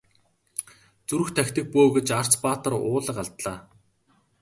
Зүрх тахидаг бөө гэж Арц баатар уулга алдлаа.